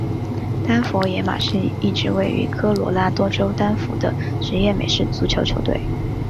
丹佛野马是一支位于科罗拉多州丹佛的职业美式足球球队。